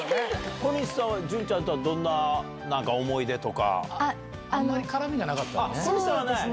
小西さんは、潤ちゃんとはどんなあんまり絡みがなかったよね。